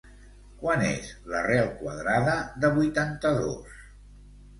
Quant és l'arrel quadrada de vuitanta-dos?